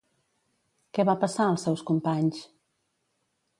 Què va passar als seus companys?